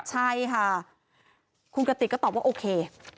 ใช่ค่ะคุณกติกก็ตอบว่าโอเค